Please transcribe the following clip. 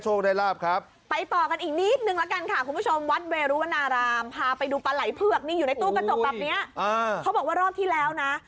เขาบอกว่ารอบที่แล้วนะ